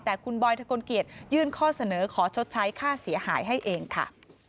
แต่คุณบอยทะกลเกียจยื่นข้อเสนอขอชดใช้ค่าเสียหายให้เองค่ะ